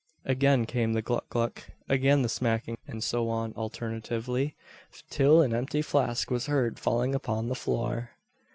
Again came the gluck gluck, again the smackings, and so on alternately, till an empty flask was heard falling upon the floor.